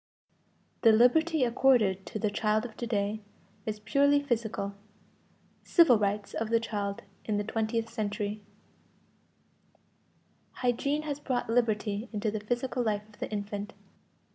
=The liberty accorded to the child of to day is purely physical. Civil rights of the child in the twentieth century=. Hygiene has brought liberty into the physical life of the infant.